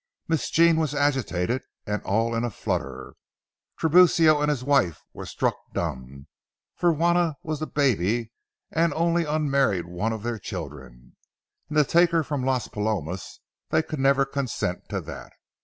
Miss Jean was agitated and all in a flutter; Tiburcio and his wife were struck dumb; for Juana was the baby and only unmarried one of their children, and to take her from Las Palomas—they could never consent to that.